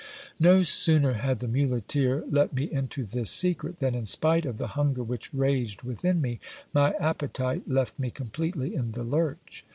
No sooner had the muleteer let me into this secret, than in spite of the hunger which raged within me, my appetite left me completely in the lurch.